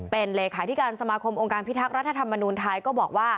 เป็นเลขาธิการสมาคมองค์การพิทักษ์รัฐธรรมนูญไทยก็บอกว่า